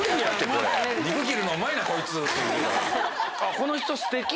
この人。